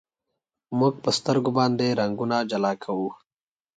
موږ په سترګو باندې رنګونه جلا کوو.